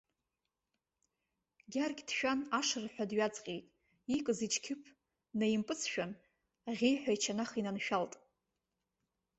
Гьаргь дшәан ашырҳәа дҩаҵҟьеит, иикыз ичқьыԥ наимпыҵшәан, ахьеҩҳәа ачанах инаншәалт.